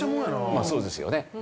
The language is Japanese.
まあそうですよね。